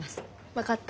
分かった。